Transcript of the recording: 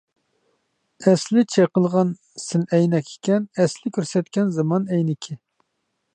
ئەسلى چېقىلغان سىنئەينەك ئىكەن، ئەسلى كۆرسەتكەن زامان ئەينىكى.